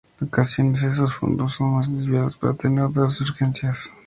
En ocasiones esos fondos son desviados para atender otras urgencias o programas nacionales.